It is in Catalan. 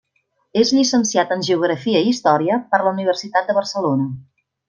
És llicenciat en Geografia i història per la Universitat de Barcelona.